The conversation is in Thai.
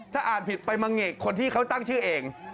ถ้าอ่านผิดไปมาเงกคนที่เขาตั้งชื่อเอง